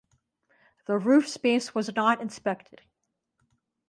The roof space was not inspected.